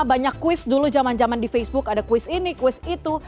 banyak kuis dulu zaman zaman di facebook ada kuis ini kuis itu